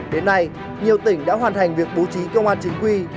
đến nay nhiều tỉnh đã hoàn thành việc bố trí công an chính quy